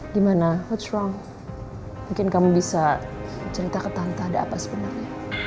gimana mungkin kamu bisa cerita ke tante ada apa sebenarnya